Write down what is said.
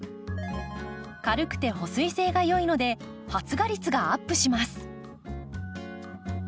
軽くて保水性が良いので発芽率がアップします。